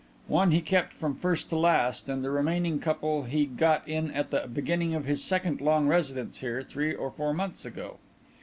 One he kept from first to last, and the remaining couple he got in at the beginning of his second long residence here, three or four months ago.